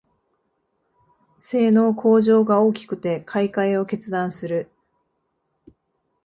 性能向上が大きくて買いかえを決断する